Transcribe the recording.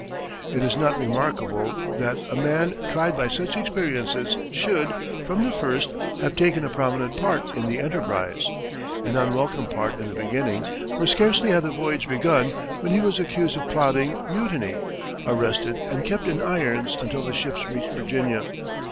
It is not remarkable that a man tried by such experiences should, from the first, have taken a prominent part in the enterprise. An unwelcome part in the beginning, for scarcely had the voyage begun, when he was accused of plotting mutiny, arrested and kept in irons until the ships reached Virginia.